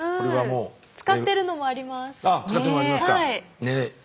あ使ってるのもありますか。